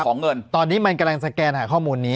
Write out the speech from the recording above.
ตอนนี้มันกำลังสแกนหาข้อมูลนี้